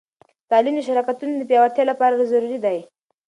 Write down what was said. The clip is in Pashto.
تعلیم د شراکتونو د پیاوړتیا لپاره ضروری دی.